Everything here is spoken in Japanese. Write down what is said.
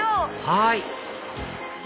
はい！